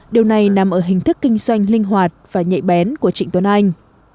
điều này nằm ở hình thức kinh doanh linh hoạt và nhạy bén của trịnh tuấn anh